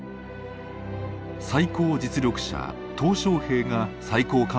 最高実力者小平が最高幹部を招集したのです。